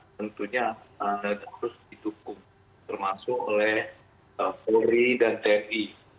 tentunya harus didukung termasuk oleh polri dan tni